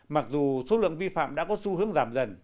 mặc dù số lượng vi phạm đã có xu hướng giảm dần